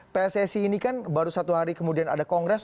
pssi ini kan baru satu hari kemudian ada kongres